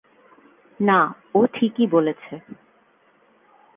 না, ও ঠিকই বলেছে।